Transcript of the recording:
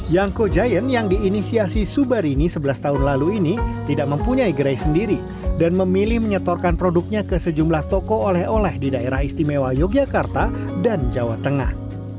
yangko giant yang diinisiasi subarini sebelas tahun lalu ini tidak mempunyai gerai sendiri dan memilih menyetorkan produknya ke sejumlah toko oleh oleh di daerah istimewa yogyakarta dan jawa tengah